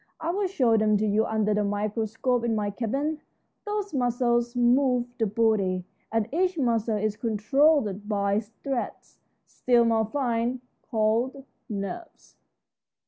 I'll show them to you under the microscope in my cabin. Those muscles move the body, and each muscle is controlled by threads, still more fine, called nerves."